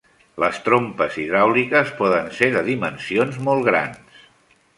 Les trompes hidràuliques poden ser de dimensions molt grans.